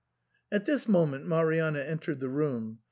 At this moment Marianna entered the room.